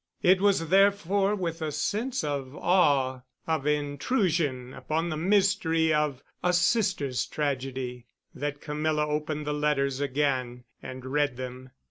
It was, therefore, with a sense of awe, of intrusion upon the mystery of a sister's tragedy, that Camilla opened the letters again and read them.